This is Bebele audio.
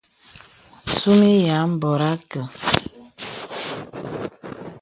Sūmī yà àbōrà àkə.